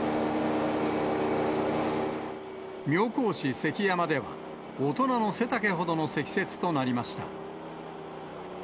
妙高市関山では、大人の背丈ほどの積雪となりました。